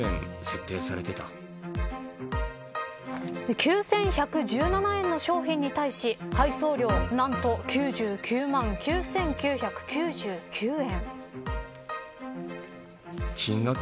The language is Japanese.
９１１７円の商品に対し配送料何と、９９万９９９９円。